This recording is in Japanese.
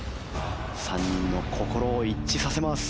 ３人の心を一致させます。